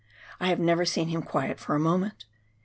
I have never seen him quiet for a moment.